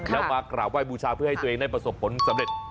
แล้วมากราบไห้บูชาเพื่อให้ตัวเองได้ประสบผลสำเร็จ